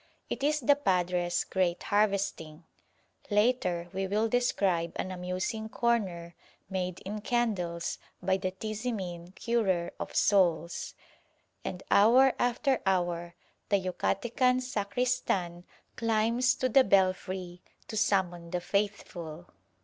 It is the padre's great harvesting (later we will describe an amusing "corner" made in candles by the Tizimin "curer of souls"), and hour after hour the Yucatecan sacristan climbs to the belfry to summon the faithful.